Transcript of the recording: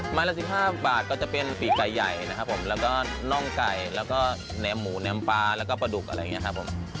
ละ๑๕บาทก็จะเป็นปีกไก่ใหญ่นะครับผมแล้วก็น่องไก่แล้วก็แนมหมูแนมปลาแล้วก็ปลาดุกอะไรอย่างนี้ครับผม